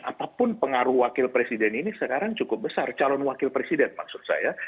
apapun pengaruh wakil presiden ini sekarang cukup besar calon wakil presiden maksud saya